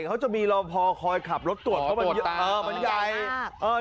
เขาก็จะมีรอบภอคอยขับรถตรวจเพราะมันใหญ่